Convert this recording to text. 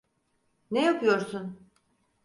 Ne yapiyorsun?